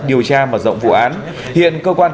điều tra mở rộng vụ án hiện cơ quan